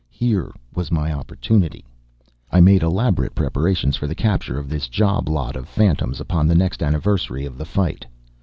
Here was my opportunity. I made elaborate preparations for the capture of this job lot of phantoms upon the next anniversary of the fight.